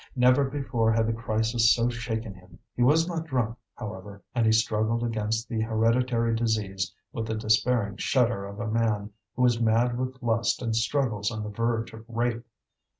Never before had the crisis so shaken him. He was not drunk, however, and he struggled against the hereditary disease with the despairing shudder of a man who is mad with lust and struggles on the verge of rape.